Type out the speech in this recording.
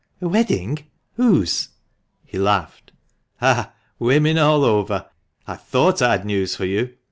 " A wedding ! Whose ?" He laughed. "Ah, woman all over! I thought I had news for you.